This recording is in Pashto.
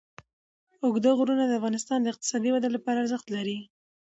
اوږده غرونه د افغانستان د اقتصادي ودې لپاره ارزښت لري.